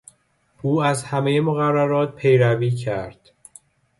او از همهی مقررات پیروی کرد.